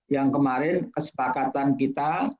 yang kemarin kesepakatan kita